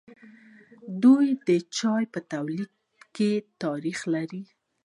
دوی د چای په تولید کې تاریخ لري.